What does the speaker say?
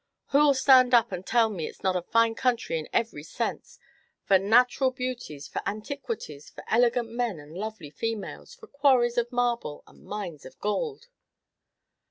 "Who 'll stand up and tell me it's not a fine country in every sense, for natural beauties, for antiquities, for elegant men and lovely females, for quarries of marble and mines of gould?"